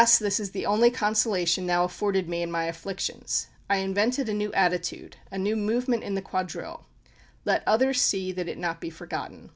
this is the only consolation now afforded me in my afflictions: I invented a new attitude a new movement in the quadrille: let others see that it be not forgotten.